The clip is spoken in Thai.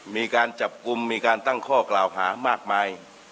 มีการจับกลุ่มมีการตั้งข้อกล่าวหามากมาย